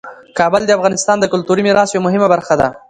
کابل د افغانستان د کلتوري میراث یوه مهمه برخه ده.